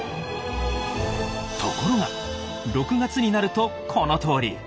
ところが６月になるとこのとおり。